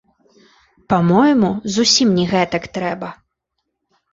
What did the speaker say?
Па-мойму зусім не гэтак трэба.